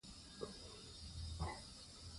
چې اسلام علیکم ورحمة الله وبرکاته ده، وړاندې کوم